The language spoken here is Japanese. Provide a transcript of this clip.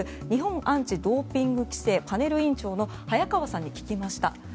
日本アンチ・ドーピング規制委員長早川さんに聞きました。